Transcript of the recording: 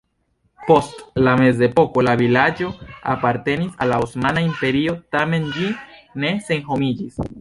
Post la mezepoko la vilaĝo apartenis al la Osmana Imperio, tamen ĝi ne senhomiĝis.